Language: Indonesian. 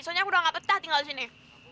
soalnya aku udah gak petah tinggal disini